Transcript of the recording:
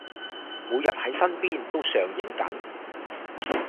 每日喺身邊都上映緊